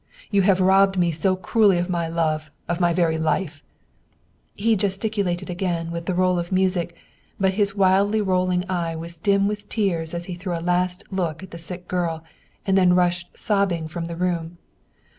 you have robbed me so cruelly of my love, of my very life !" He gesticulated again with the roll of music, but his wildly rolling eye was dim with tears as he threw a last look at the sick girl and then rushed sobbing from the room.